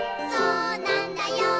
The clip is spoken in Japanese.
「そうなんだよ」